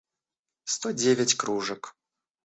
сто девять кружек